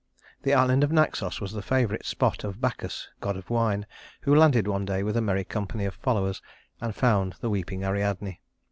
The island of Naxos was the favorite spot of Bacchus, god of wine, who landed one day with a merry company of followers, and found the weeping Ariadne.